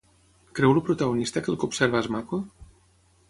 Creu el protagonista que el que observa és maco?